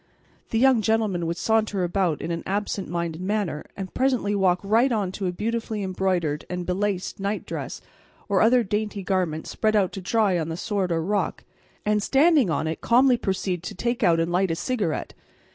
The young gentleman would saunter about in an absent minded manner and presently walk right on to a beautifully embroidered and belaced nightdress or other dainty garment spread out to dry on the sward or rock, and, standing on it, calmly proceed to take out and light a cigarette.